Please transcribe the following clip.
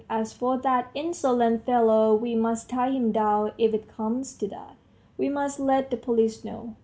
As for that insolent fellow, we must tie him down if it comes to that, we must let the police know